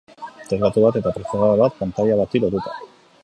Teklatu bat eta prozesadore bat pantaila bati lotuta.